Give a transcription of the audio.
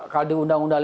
pendapat anda bang muradi